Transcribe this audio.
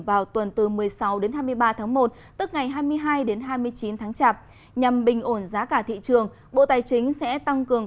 vào tuần từ một mươi sáu đến hai mươi ba tháng một tức ngày hai mươi hai đến hai mươi chín tháng chạp nhằm bình ổn giá cả thị trường bộ tài chính sẽ tăng cường